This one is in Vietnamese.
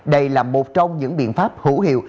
đây là một trong những biện pháp hữu hiệu